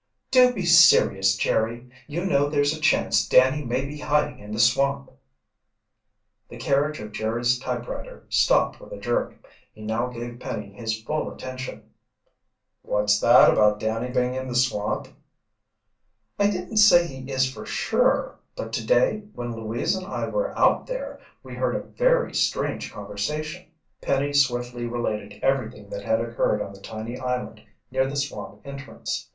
"Do be serious, Jerry! You know, there's a chance Danny may be hiding in the swamp." The carriage of Jerry's typewriter stopped with a jerk. He now gave Penny his full attention. "What's that about Danny being in the swamp?" "I didn't say he is for sure, but today when Louise and I were out there, we heard a very strange conversation." Penny swiftly related everything that had occurred on the tiny island near the swamp entrance.